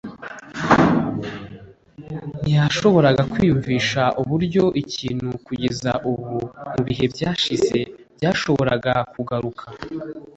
ntiyashoboraga kwiyumvisha uburyo ikintu kugeza ubu mubihe byashize byashoboraga kugaruka